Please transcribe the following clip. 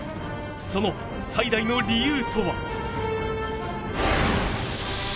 その最大の理由とは？